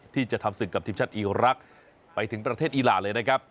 ที่จะทำศึกกับทีมชาติอีรักษ์ไปถึงประเทศอีหลาเลยนะครับ